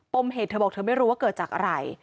มเหตุเธอบอกเธอไม่รู้ว่าเกิดจากอะไร